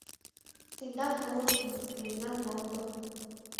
Тендан олык, мемнан ломбо